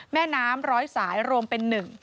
แม่น้ำร้อยสายรวมเป็นหนึ่ง